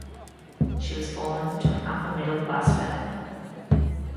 She was born to an upper middle class family.